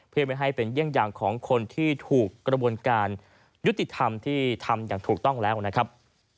เพื่อไม่ให้มีเรื่องของใครที่เป็นการยูติธรรมที่ทำอย่างถูกต้องแล้วครับ